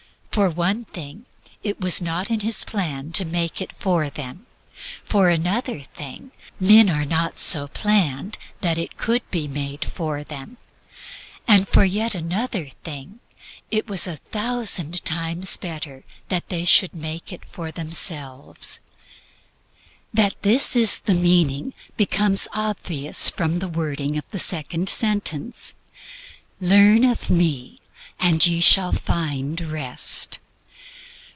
For one thing it was not in His plan to make it for them; for another thing, men were not so planned that it could be made for them; and for yet another thing, it was a thousand times better that they should make it for themselves. That this is the meaning becomes obvious from the wording of the second sentence: "Learn of me, and ye shall find Rest."